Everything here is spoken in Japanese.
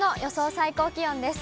最高気温です。